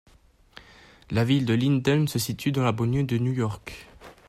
La ville de Linden se situe dans la banlieue de New York.